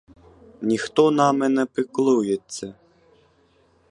Ніхто нами не піклується.